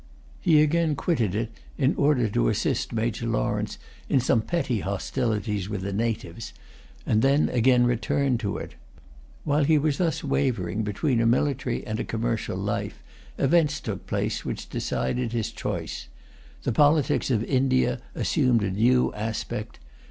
He again quitted it in order to assist Major Lawrence in some petty hostilities with the natives, and then again returned to it. While he was thus wavering between a military and a commercial life, events took place which decided his choice. The politics of India assumed a new aspect.